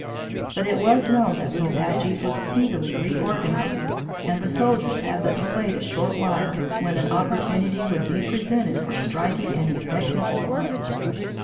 But it was known that the Apaches would speedily reorganize and the soldiers had but to wait a short while, when an opportunity would be presented for striking an effective blow.